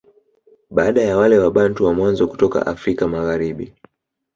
Baada ya wale Wabantu wa mwanzo kutoka Afrika Magharibi